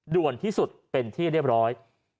ด่วนที่สุดเป็นที่เรียบร้อย